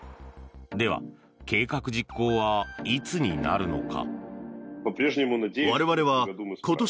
では、計画実行はいつになるのか。